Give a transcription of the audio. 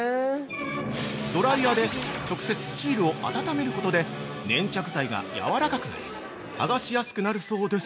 ◆ドライヤーで直接シールを温めることで粘着剤がやわらかくなり、剥がしやすくなるそうです。